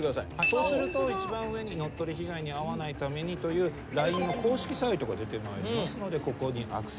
そうすると一番上に「乗っ取り被害に遭わないために」というＬＩＮＥの公式サイトが出てまいりますのでここにアクセスをしてください。